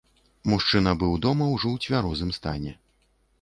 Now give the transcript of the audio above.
Мужчына быў дома, ужо ў цвярозым стане.